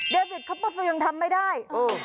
เดวิดเขาประฟังยังทำไม่ได้